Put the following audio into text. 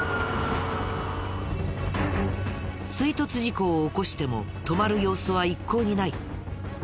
追突事故を起こしても止まる様子は一向にない。